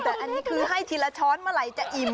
แต่อันนี้คือให้ทีละช้อนเมื่อไหร่จะอิ่ม